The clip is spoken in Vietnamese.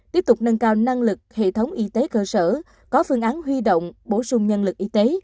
tiếp tục nâng cao năng lực hệ thống y tế cơ sở có phương án huy động bổ sung nhân lực y tế